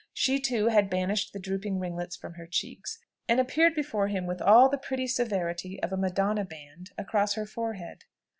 She, too, had banished the drooping ringlets from her cheeks, and appeared before him with all the pretty severity of a Madonna band across her forehead.